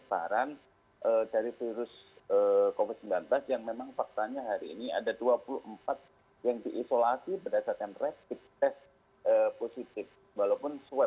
pihak rumah sakit qem menyatakan akan dilakukan mulai sabtu sembilan mei hingga delapan belas mei